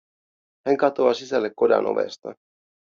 Hän katoaa sisälle kodan ovesta.